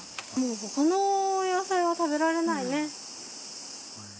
もう他の野菜は食べられないね。